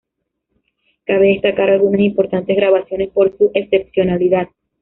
Cabe destacar algunas importantes grabaciones por su excepcionalidad.